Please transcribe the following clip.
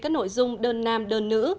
các nội dung đơn nam đơn nữ